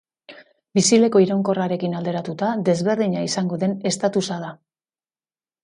Bizileku iraunkorrarekin alderatuta, desberdina izango den estatusa da.